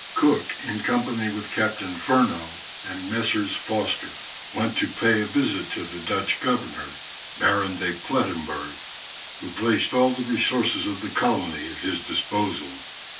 Cook, in company with Captain Furneaux, and Messrs. Foster, went to pay a visit to the Dutch governor, Baron de Plettemberg, who placed all the resources of the colony at his disposal.